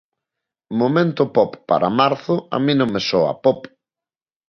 Momento pop para marzo a min non me soa pop.